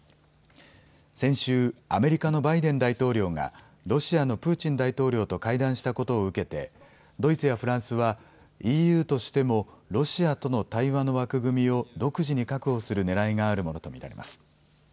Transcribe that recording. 先週、アメリカのバイデン大統領がロシアのプーチン大統領と会談したことを受けてドイツやフランスはＥＵとしてもロシアとの対話の枠組みを独自に確保するねらいがあるものと見られます。